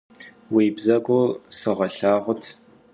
Vui bzegur sığelhağut.